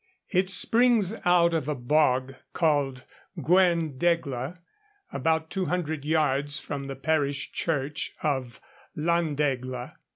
It springs out of a bog called Gwern Degla, about two hundred yards from the parish church of Llandegla.